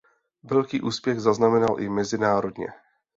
Velký úspěch zaznamenal i mezinárodně.